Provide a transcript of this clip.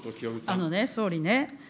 あのね、総理ね、